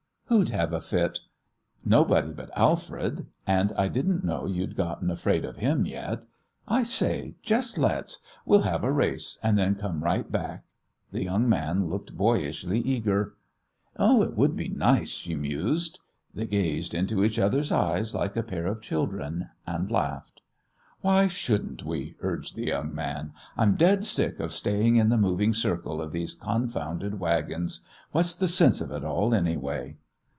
"Who'd have a fit? Nobody but Alfred, and I didn't know you'd gotten afraid of him yet! I say, just let's! We'll have a race, and then come right back." The young man looked boyishly eager. "It would be nice," she mused. They gazed into each other's eyes like a pair of children, and laughed. "Why shouldn't we?" urged the young man. "I'm dead sick of staying in the moving circle of these confounded wagons. What's the sense of it all, anyway?"